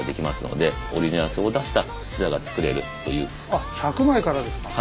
あっ１００枚からですか。